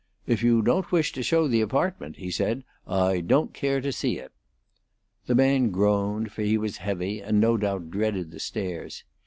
"If you don't wish to show the apartment," he said, "I don't care to see it." The man groaned, for he was heavy, and no doubt dreaded the stairs.